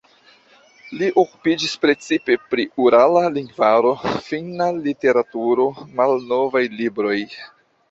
Li okupiĝis precipe pri urala lingvaro, finna literaturo, malnovaj libroj.